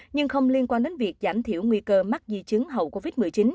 nhưng không liên quan đến việc giảm thiểu nguy cơ mắc di chứng hậu covid một mươi chín